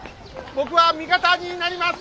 僕は味方になります！